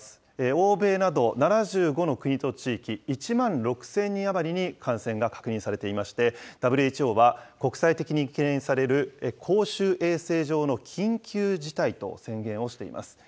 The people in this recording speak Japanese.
欧米など７５の国と地域、１万６０００人余りに感染が確認されていまして、ＷＨＯは、国際的に懸念される公衆衛生上の緊急事態と宣言をしています。